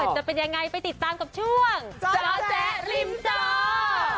จะเป็นยังไงไปติดตามกับช่วงเจาะแจ๊ริมจอ